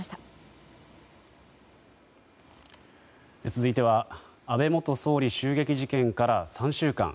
続いては安倍元総理襲撃事件から３週間。